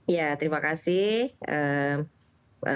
ya terima kasih mbak budadya